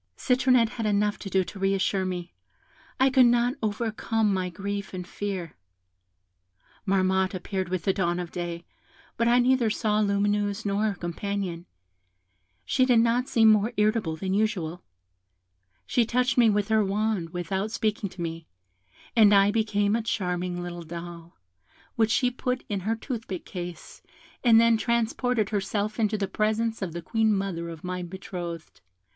Citronette had enough to do to re assure me; I could not overcome my grief and fear. Marmotte appeared with the dawn of day, but I neither saw Lumineuse nor her companion; she did not seem more irritable than usual; she touched me with her wand without speaking to me, and I became a charming little doll, which she put in her toothpick case, and then transported herself into the presence of the Queen mother of my betrothed.